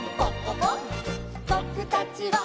「ぼくたちは」